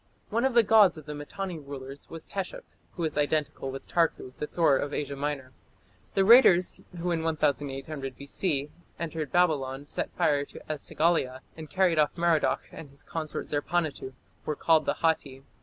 One of the gods of the Mitanni rulers was Teshup, who is identical with Tarku, the Thor of Asia Minor. The raiders who in 1800 B.C. entered Babylon, set fire to E sagila, and carried off Merodach and his consort Zerpanituᵐ, were called the Hatti.